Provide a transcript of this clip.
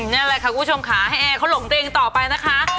นี่แหละค่ะคุณผู้ชมค่ะให้แอร์เขาหลงตัวเองต่อไปนะคะ